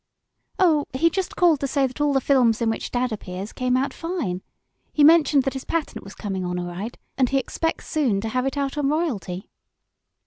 "Oh, he just called to say that all the films in which dad appears came out fine. He mentioned that his patent was coming on all right, and he expects soon to have it out on royalty."